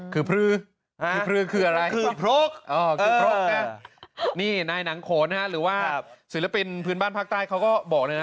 คือพรกน่ะนี่นายหนังโขนหรือว่าศิลปินพื้นบ้านภาคใต้เขาก็บอกเลยนะ